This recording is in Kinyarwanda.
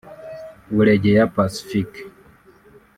Buregeya Pacifique